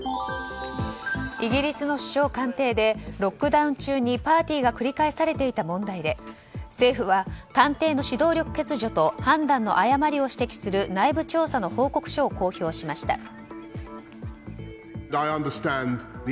イギリスの首相官邸でロックダウン中にパーティーが繰り返されていた問題で政府は官邸の指導力欠如と判断の誤りを指摘する内部調査の報告書を公表しました。